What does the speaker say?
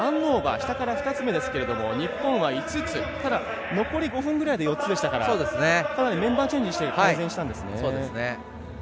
下から２つ目ですが日本は５つ残り５分ぐらいで４つでしたからメンバーチェンジして改善したんですね。